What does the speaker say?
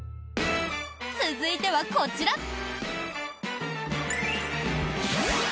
続いては、こちら。